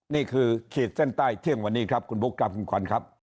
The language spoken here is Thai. ขีดเส้นใต้เที่ยงวันนี้ครับคุณบุ๊คครับคุณขวัญครับ